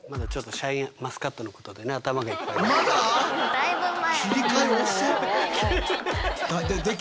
だいぶ前。